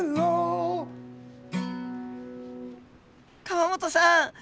河本さん